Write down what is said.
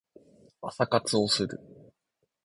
朝活をする